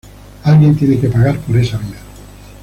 Alguien tiene que pagar por esa vida.